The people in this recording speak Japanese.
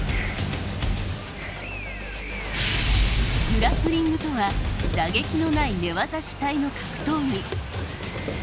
グラップリングとは打撃のない寝技主体の格闘技。